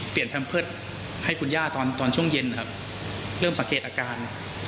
แพมเพิร์ตให้คุณย่าตอนตอนช่วงเย็นครับเริ่มสังเกตอาการ